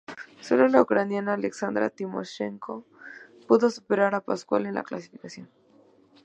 Solo la ucraniana Alexandra Timoshenko pudo superar a Pascual en la clasificación.